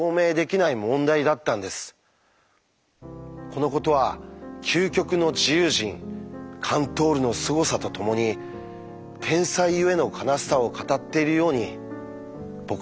このことは究極の自由人カントールのすごさとともに天才ゆえの悲しさを語っているように僕には思えます。